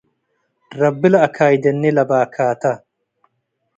ረቢ ለአካይደኒ ለባካተ